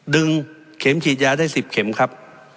เข็มฉีดยาได้๑๐เข็มครับ